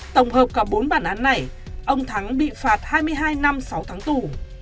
tổng hợp cả bốn bản án này ông thắng bị phạt hai mươi hai năm sáu tháng tù